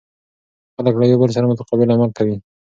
خلک له یو بل سره متقابل عمل کوي.